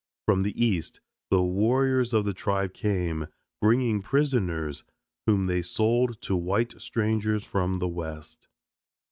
From the East the warriors of the tribe came, bringing prisoners, whom they sold to white strangers from the West.